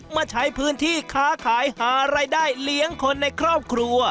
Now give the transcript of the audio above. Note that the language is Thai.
มาใช้พื้นที่ค้าขายหารายได้เลี้ยงคนในครอบครัว